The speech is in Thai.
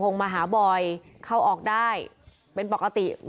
พุ่งเข้ามาแล้วกับแม่แค่สองคน